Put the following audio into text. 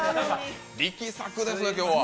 力作ですね、今日は。